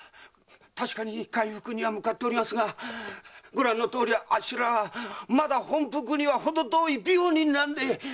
確かに回復には向かっておりますがご覧のとおりあっしらはまだ本復にはほど遠い病人なんで。